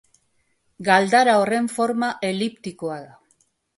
Galdara horren forma eliptikoa da.